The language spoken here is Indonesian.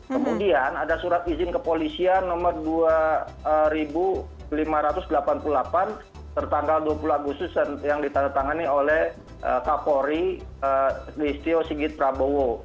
kemudian ada surat izin kepolisian nomor dua lima ratus delapan puluh delapan tertanggal dua puluh agustus yang ditandatangani oleh kapolri listio sigit prabowo